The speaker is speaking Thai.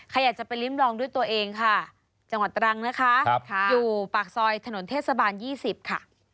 ใครอยากจะไปริ้มลองด้วยตัวเองค่ะจังหวัดตรังนะคะอยู่ปากซอยถนนเทศบาล๒๐ค่ะ